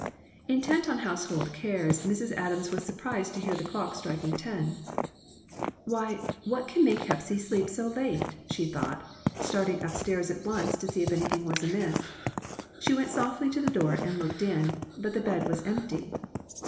Intent on household cares, Mrs. Adams was surprised to hear the clock striking ten. "Why, what can make Hepsy sleep so late?" she thought, starting up stairs at once to see if anything was amiss. She went softly to the door and looked in, but the bed was empty.